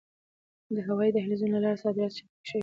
د هوایي دهلیزونو له لارې صادرات چټک شوي دي.